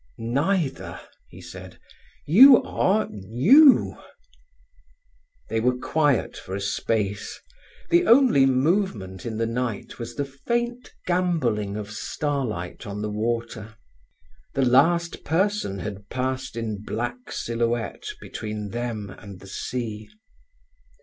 "Neither," he said. "You are you." They were quiet for a space. The only movement in the night was the faint gambolling of starlight on the water. The last person had passed in black silhouette between them and the sea.